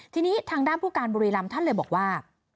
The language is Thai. ทีนี้ทางด้านผู้การบุรีรำท่านเลยบอกว่า